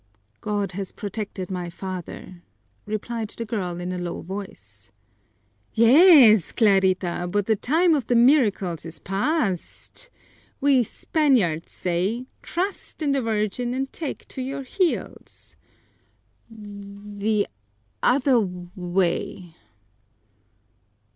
"God has protected my father," replied the girl in a low voice. "Yez, Clarita, but the time of the miracles is pazt. We Zpaniards zay: 'Truzt in the Virgin and take to your heels.'" "T the other w way!"